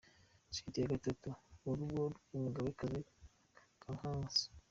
Site ya gatatu: Urugo rw’umugabekazi Kankazi.